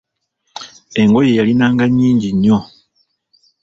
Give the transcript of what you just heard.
Engoye yalinanga nnyingi nnyo.